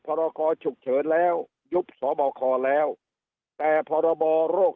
พรกรฉุกเฉินแล้วยุบสบคแล้วแต่พรบโรค